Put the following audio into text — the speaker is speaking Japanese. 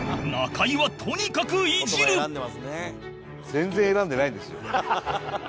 全然選んでないですよ。